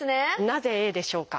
なぜＡでしょうか？